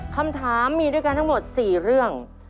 คำถามมีด้วยกันทั้งหมด๔เรื่อง